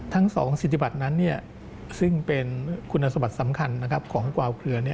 ทั้ง๒สิทธิบัตรนั้นซึ่งเป็นคุณสมบัติสำคัญของกวาวเคลือ